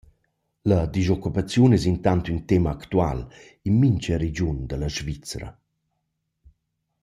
La dischoccupaziun es intant ün tema actual in mincha regiun da la Svizra.